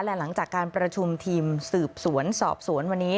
และหลังจากการประชุมทีมสืบสวนสอบสวนวันนี้